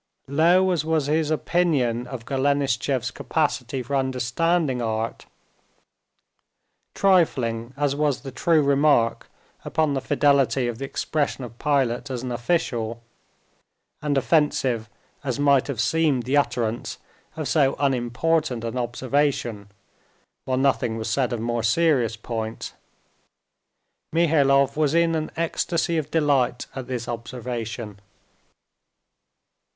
Low as was his opinion of Golenishtchev's capacity for understanding art, trifling as was the true remark upon the fidelity of the expression of Pilate as an official, and offensive as might have seemed the utterance of so unimportant an observation while nothing was said of more serious points, Mihailov was in an ecstasy of delight at this observation.